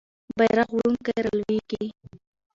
بیرغ وړونکی رالویږي.